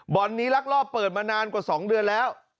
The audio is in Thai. นี้ลักลอบเปิดมานานกว่า๒เดือนแล้ว